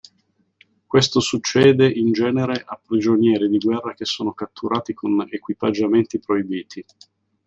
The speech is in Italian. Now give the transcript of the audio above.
Questo succede in genere a prigionieri di guerra che sono catturati con equipaggiamenti proibiti.